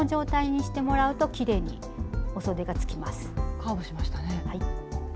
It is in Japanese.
カーブしましたね。